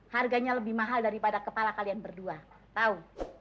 harganya lebih mahal daripada kepala kalian berdua tahu